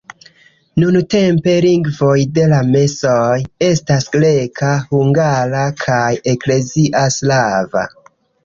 Nuntempe lingvoj de la mesoj estas greka, hungara kaj eklezia slava.